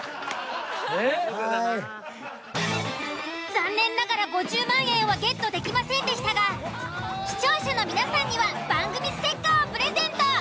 残念ながら５０万円はゲットできませんでしたが視聴者の皆さんには番組ステッカーをプレゼント！